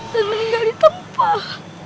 dan meninggal di tempat